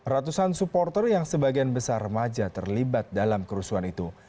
ratusan supporter yang sebagian besar remaja terlibat dalam kerusuhan itu